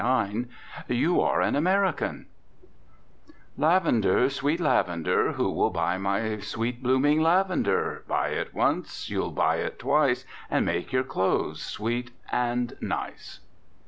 IX "YOU ARE AN AMERICAN" "Lavender, sweet lavender, Who will buy my sweet blooming lavender? Buy it once, you'll buy it twice, And make your clothes sweet and nice!"